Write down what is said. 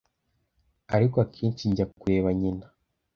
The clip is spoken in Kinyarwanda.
Ariko akenshi njya kureba nyina